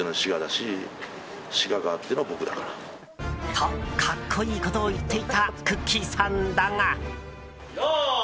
と、格好いいことを言っていたくっきー！さんだが。